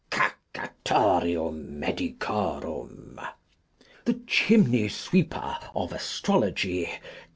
Cacatorium medicorum. The Chimney sweeper of Astrology.